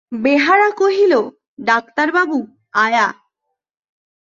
বেহারা কহিল, ডাক্তারবাবু আয়া।